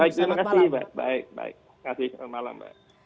baik terima kasih selamat malam